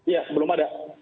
ya belum ada